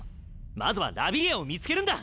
まずはラビリアを見つけるんだ！